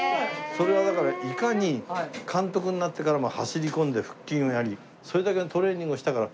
それはだからいかに監督になってからも走り込んで腹筋をやりそれだけのトレーニングをしたから。